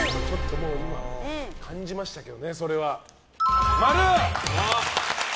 今感じましたけどね、それは。